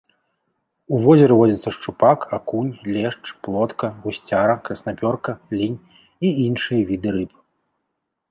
У возеры водзяцца шчупак, акунь, лешч, плотка, гусцяра, краснапёрка, лінь і іншыя віды рыб.